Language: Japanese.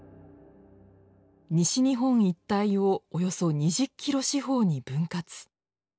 西日本一帯をおよそ２０ｋｍ四方に分割。